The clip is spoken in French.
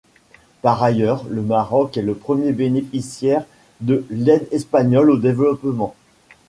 Par ailleurs, le Maroc est le premier bénéficiaire de l'aide espagnole au développement.